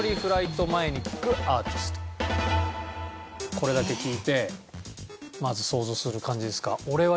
これだけ聞いてまず想像する感じですか？